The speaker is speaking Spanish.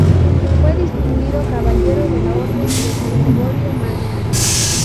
Fue distinguido Caballero de la Orden de San Gregorio Magno.